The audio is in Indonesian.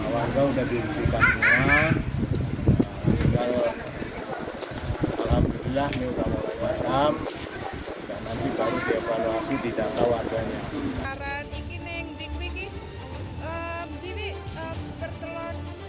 pertama api baru diapal api di dasar warganya